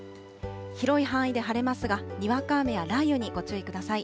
広い範囲で晴れますが、にわか雨や雷雨にご注意ください。